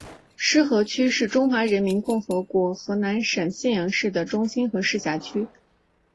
浉河区是中华人民共和国河南省信阳市的中心和市辖区。